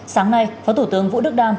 sáng nay phó thủ tướng vũ đức đam